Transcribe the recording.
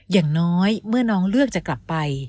อย่างน้อยเมื่อน้องเลือกจะกลับไป